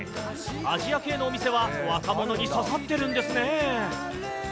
アジア系のお店は若者に刺さってるんですね。